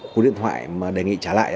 cú điện thoại mà đề nghị trả lại